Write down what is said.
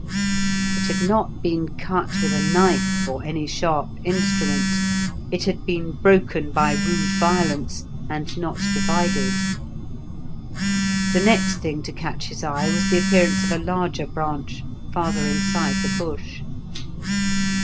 It had not been cut with a knife or any sharp instrument; it had been broken by rude violence, and not divided. The next thing to catch his eye was the appearance of a larger branch farther inside the bush.